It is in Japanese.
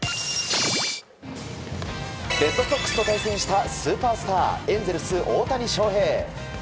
レッドソックスと対戦したスーパースターエンゼルス、大谷翔平。